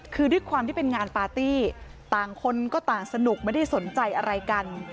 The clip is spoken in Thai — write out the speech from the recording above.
คือด้วยความที่เป็นงานปาร์ตี้ต่างคนก็ต่างสนุกไม่ได้สนใจอะไรกัน